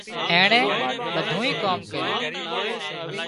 اينڻي ٻڌُونئي ڪام ڪريُون